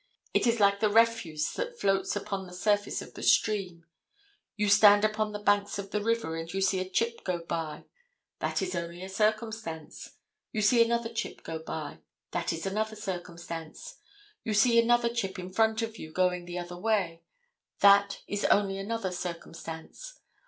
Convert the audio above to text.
It is like the refuse that floats upon the surface of the stream. You stand upon the banks of the river and you see a chip go by; that is only a circumstance. You see another chip go by. That is another circumstance. You see another chip in front of you going the other way. That is only another circumstance.